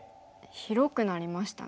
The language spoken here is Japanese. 広くなりましたね。